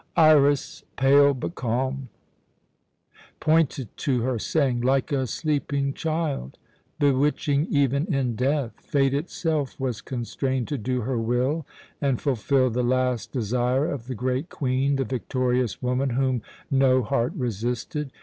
Iras, pale but calm, pointed to her, saying "Like a sleeping child. Bewitching even in death. Fate itself was constrained to do her will and fulfil the last desire of the great Queen, the victorious woman, whom no heart resisted.